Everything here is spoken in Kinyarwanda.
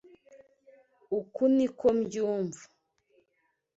Uku niko mbyumva.